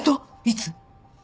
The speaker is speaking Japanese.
いつ？